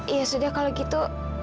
ya sudah kalau gitu